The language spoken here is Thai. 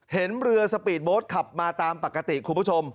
เห็นเรือสปีดโบสต์ขับมาตามปกติคุณผู้ชม